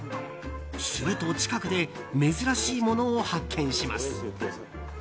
すると、近くで珍しいものを発見します。